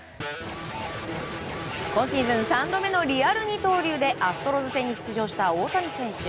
今シーズン３度目のリアル二刀流でアストロズ戦に出場した大谷選手。